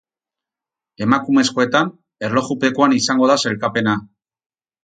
Emakumezkoetan, erlojupekoan izango da sailkapena.